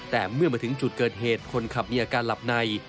แต่เมื่อมาถึงจุดเกิดเหตุคนขับมีอาการหลับใน